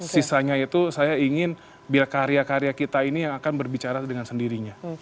sisanya itu saya ingin biar karya karya kita ini yang akan berbicara dengan sendirinya